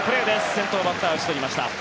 先頭バッター、打ち取りました。